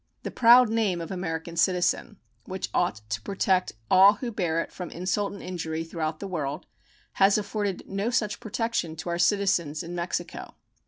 The proud name of American citizen, which ought to protect all who bear it from insult and injury throughout the world, has afforded no such protection to our citizens in Mexico.